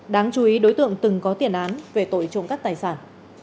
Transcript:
đáng chú ý đối tượng từng có tiền án về tội trộm cắp tài sản